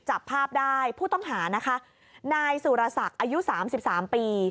จับภาพได้ผู้ต้องหานะคะนายสุรศักดิ์อายุ๓๓ปี